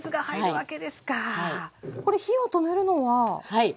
はい。